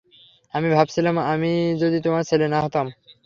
আমি ভাবছিলাম আমি যদি তোমার ছেলে না হতাম?